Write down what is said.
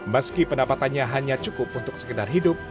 meski pendapatannya hanya cukup untuk sekedar hidup